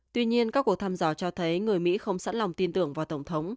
tuy nhiên các cuộc thăm dò cho thấy người mỹ không sẵn lòng tin tưởng vào tổng thống